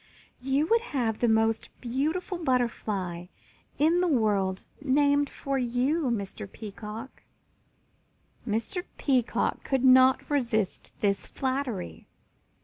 You would have the most beautiful butterfly in the world named for you, Mr. Peacock!" Mr. Peacock could not resist this flattery.